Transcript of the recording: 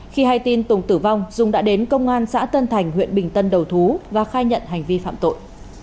khi hay tin tùng tử vong dung đã đến công an xã tân thành huyện bình tân đầu thú và khai nhận hành vi phạm tội